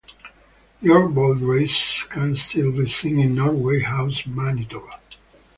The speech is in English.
York boat races can still be seen in Norway House, Manitoba.